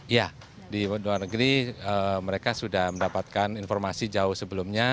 ya di luar negeri mereka sudah mendapatkan informasi jauh sebelumnya